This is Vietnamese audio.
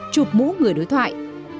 chụp mũ người đối thoại